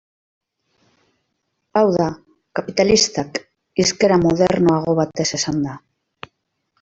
Hau da, kapitalistak, hizkera modernoago batez esanda.